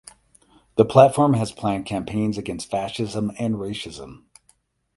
The Platform has planned campaigns against fascism and racism.